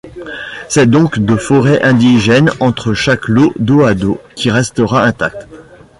C'est donc de forêt indigène entre chaque lot dos-à-dos qui restera intacte.